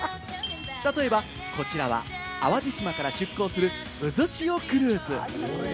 例えば、こちらは淡路島から出港する、うずしおクルーズ。